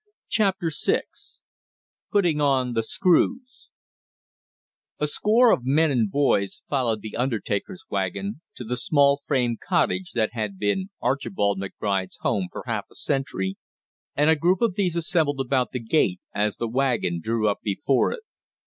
CHAPTER SIX PUTTING ON THE SCREWS A score of men and boys followed the undertaker's wagon to the small frame cottage that had been Archibald McBride's home for half a century, and a group of these assembled about the gate as the wagon drew up before it.